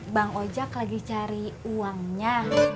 bang ojek lagi cari uangnya